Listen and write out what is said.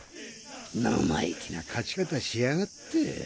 生意気な勝ち方しやがって。